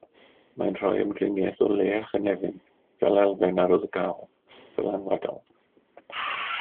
Mae'n rhoi ymdriniaeth o le a chynefin fel elfen arwyddocaol, ddylanwadol